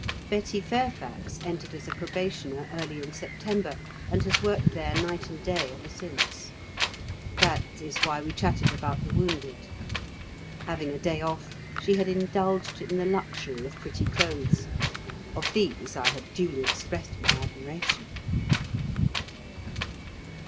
Betty Fairfax entered as a Probationer early in September, and has worked there night and day ever since. That is why we chatted about the wounded. Having a day off, she had indulged in the luxury of pretty clothes. Of these I had duly expressed my admiration.